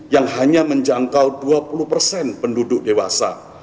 yang hanya menjangkau dua puluh persen penduduk dewasa